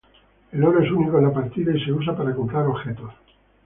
El oro es único en la partida y se usa para comprar objetos.